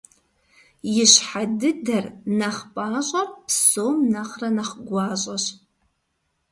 Ищхьэ дыдэр, нэхъ пIащIэр, псом нэхърэ нэхъ гуащIэщ.